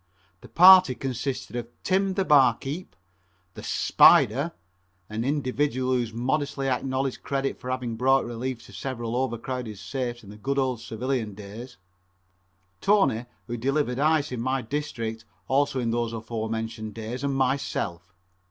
The party consisted of Tim the barkeep, the "Spider," an individual who modestly acknowledged credit for having brought relief to several over crowded safes in the good old civilian days; Tony, who delivered ice in my district also in those aforementioned days, and myself.